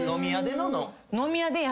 飲み屋での？